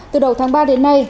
từ đầu tháng ba đến nay